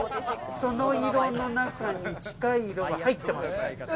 その色の中に近い色が入ってます。